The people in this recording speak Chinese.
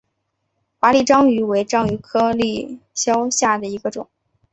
华丽章鱼为章鱼科丽蛸属下的一个种。